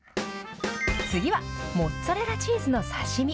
次は、モッツァレラチーズの刺身。